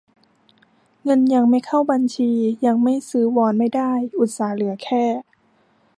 เงินยังไม่เข้าบัญชี ยังไปซื้อวอนไม่ได้ อุตส่าห์เหลือแค่